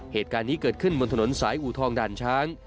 เหตุการณ์นี้เกิดขึ้นบนถนนสายอูทองด่านช้าง